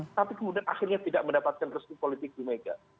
tapi kemudian akhirnya tidak mendapatkan resmi politik di bumega